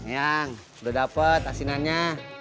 myang sudah dapat asinannya